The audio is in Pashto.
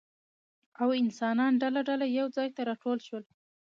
او انسانان ډله ډله يو ځاى ته راټول شول